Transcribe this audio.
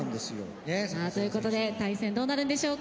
さあという事で対戦どうなるんでしょうか。